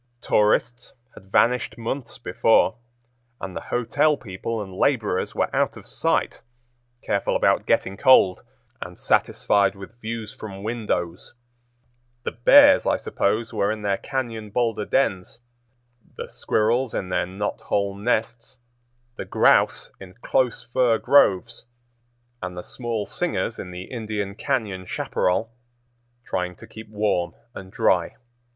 Tourists had vanished months before, and the hotel people and laborers were out of sight, careful about getting cold, and satisfied with views from windows. The bears, I suppose, were in their cañon boulder dens, the squirrels in their knot hole nests, the grouse in close fir groves, and the small singers in the Indian Cañon chaparral, trying to keep warm and dry.